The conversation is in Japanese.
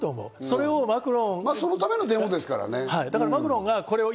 そのためのデモですからね。